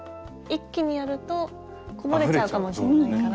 一気にやるとこぼれちゃうかもしれないから。